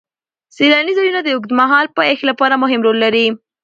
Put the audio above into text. سیلاني ځایونه د اوږدمهاله پایښت لپاره مهم رول لري.